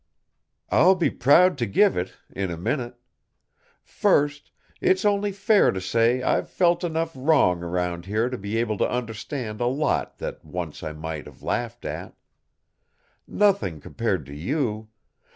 "I'll be proud to give it, in a minute. First, it's only fair to say I've felt enough wrong around here to be able to understand a lot that once I might have laughed at. Nothing compared to you!